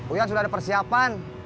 uyan sudah ada persiapan